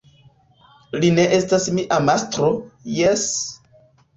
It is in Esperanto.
Li ne estas mia mastro, jes!